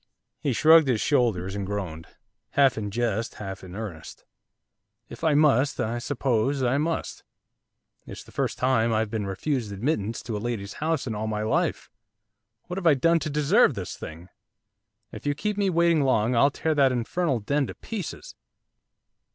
He shrugged his shoulders, and groaned, half in jest, half in earnest. 'If I must I suppose I must, it's the first time I've been refused admittance to a lady's house in all my life! What have I done to deserve this thing? If you keep me waiting long I'll tear that infernal den to pieces!